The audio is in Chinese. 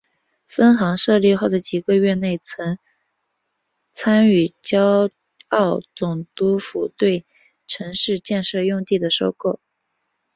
分行设立后的几个月内曾参与胶澳总督府对城市建设用地的收购。